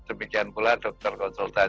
demikian pula dokter konsultan